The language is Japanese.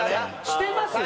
してますよ！